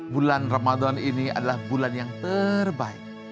bulan ramadan ini adalah bulan yang terbaik